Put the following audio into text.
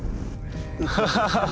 ハハハハハ！